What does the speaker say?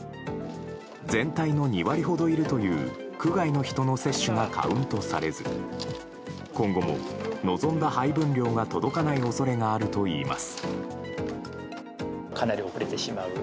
全体の２割ほどいるという区外の人の接種がカウントされず今後も、望んだ配分量が届かない恐れがあるといいます。